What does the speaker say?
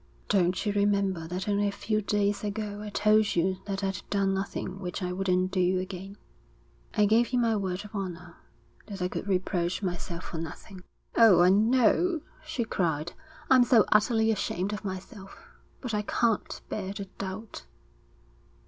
'Don't you remember that only a few days ago I told you that I'd done nothing which I wouldn't do again? I gave you my word of honour that I could reproach myself for nothing.' 'Oh, I know,' she cried. 'I'm so utterly ashamed of myself. But I can't bear the doubt.'